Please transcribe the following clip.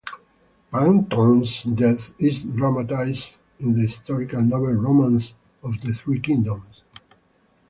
Pang Tong's death is dramatised in the historical novel "Romance of the Three Kingdoms".